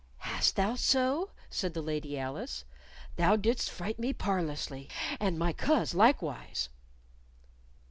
"Hast thou so?" said the Lady Alice. "Thou didst fright me parlously, and my coz likewise."